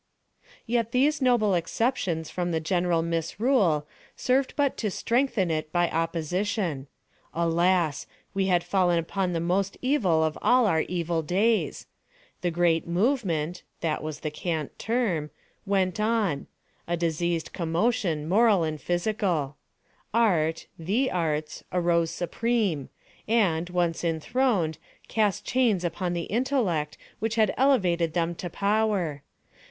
Yet these noble exceptions from the general misrule served but to strengthen it by opposition. Alas! we had fallen upon the most evil of all our evil days. The great "movement"—that was the cant term—went on: a diseased commotion, moral and physical. Art—the Arts—arose supreme, and, once enthroned, cast chains upon the intellect which had elevated them to power.